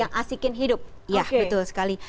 yang asikin hidup ya betul sekali